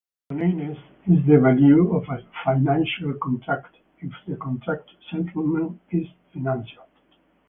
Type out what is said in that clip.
Moneyness is the value of a financial contract if the contract settlement is financial.